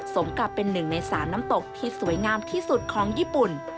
สมกับเป็นหนึ่งใน๓น้ำตกที่สวยงามที่สุดของญี่ปุ่น